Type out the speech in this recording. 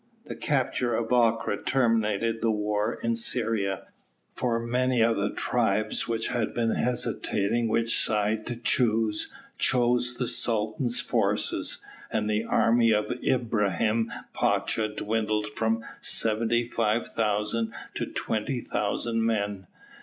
The capture of Acre terminated the war in Syria, for many of the tribes which had been hesitating which side to choose, joined the Sultan's forces, and the army of Ibrahim Pacha dwindled from 75,000 to 20,000 men.